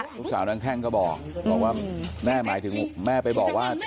นางสาวนางแข้งก็บอกว่าแม่หมายถึงแม่ไปบอกว่า